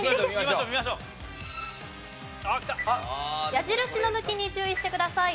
矢印の向きに注意してください。